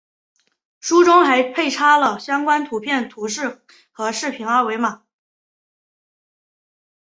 书中还配插了相关图片、图示和视频二维码